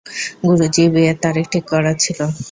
গুরুজি বিয়ের তারিখ ঠিক করার ছিল।